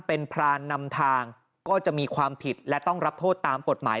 เป็นพรานนำทางก็จะมีความผิดและต้องรับโทษตามกฎหมาย